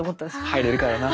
入れるからな。